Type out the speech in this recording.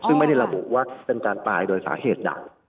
ซึ่งไม่ได้ระบุว่าเป็นการตายโดยสาเหตุใด